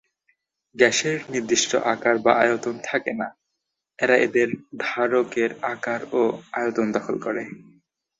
গ্যাসের নির্দিষ্ট আকার বা আয়তন থাকেনা, এরা এদের ধারকের আকার ও আয়তন দখল করে।